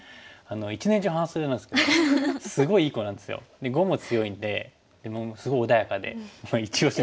一年中半袖なんですけどすごいいい子なんですよ。で碁も強いんでもうすごい穏やかでイチオシです。